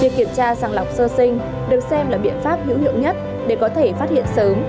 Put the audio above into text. việc kiểm tra sàng lọc sơ sinh được xem là biện pháp hữu hiệu nhất để có thể phát hiện sớm